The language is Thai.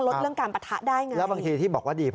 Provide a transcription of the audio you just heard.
ลดเรื่องการปะทะได้ไง